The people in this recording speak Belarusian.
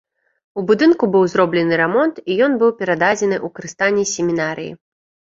У будынку быў зроблены рамонт, і ён быў перададзены ў карыстанне семінарыі.